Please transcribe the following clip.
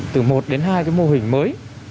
từ một đến hai mô hình mới